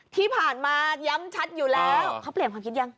ที่ผ่านมาย้ำชัดอยู่แล้วเขาเปลี่ยนความคิดยัง